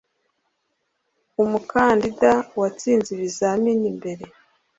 umukandida watsinze ibizamini mbere